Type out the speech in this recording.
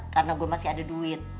karena gue masih ada duit